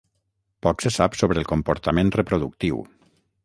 Poc se sap sobre el comportament reproductiu.